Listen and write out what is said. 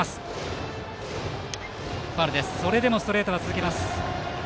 それでもストレートは続けます。